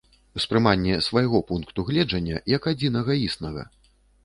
Успрыманне свайго пункту гледжання як адзінага існага.